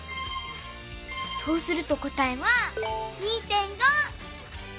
そうすると答えは２．５！